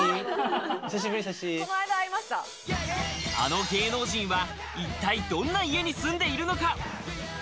あの芸能人は一体どんな家に住んでいるのか。